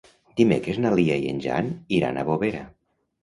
Dimecres na Lia i en Jan iran a Bovera.